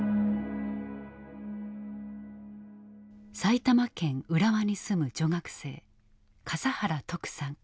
埼玉県浦和に住む女学生笠原徳さん